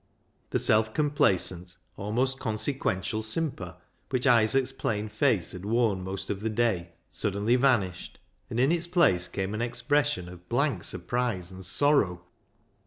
The self complacent, almost consequential, simper which Isaac's plain face had worn most of the day suddenly vanished, and in its place came an expression of blank surprise and sorrow.